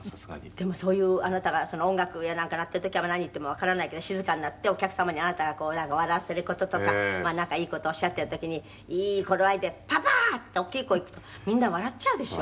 「でもそういうあなたがその音楽やなんか鳴ってる時は何言ってもわからないけど静かになってお客様にあなたがこうなんか笑わせる事とかまあなんかいい事をおっしゃってる時にいい頃合いで“パパ！”って大きい声みんな笑っちゃうでしょ？」